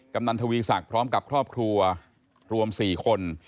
กำนันทวีศักดิ์พร้อมกับครอบครัวรวม๔คน